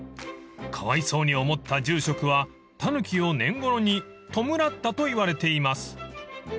［かわいそうに思った住職はたぬきを懇ろに弔ったといわれています］